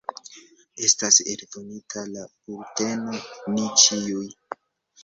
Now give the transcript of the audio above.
Estas eldonita la bulteno Ni ĉiuj.